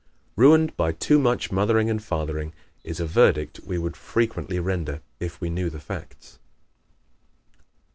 "Ruined by too much mothering and fathering" is a verdict we would frequently render if we knew the facts.